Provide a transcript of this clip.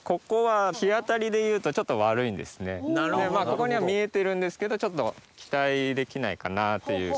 ここには見えてるんですけどちょっと期待できないかなっていう。